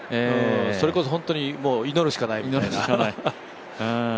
それこそ本当に祈るしかないみたいな。